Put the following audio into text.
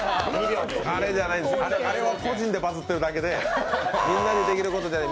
あれは個人でバズってるだけで、みんなにできることではない。